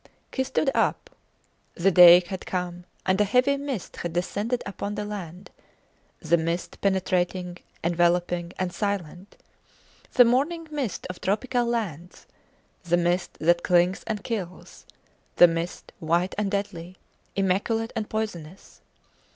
He stood up. The day had come, and a heavy mist had descended upon the land: the mist penetrating, enveloping, and silent; the morning mist of tropical lands; the mist that clings and kills; the mist white and deadly, immaculate and poisonous.